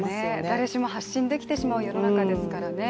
誰しも発信できてしまう世の中ですからね。